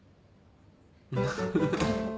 フフフ。